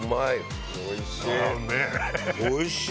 おいしい。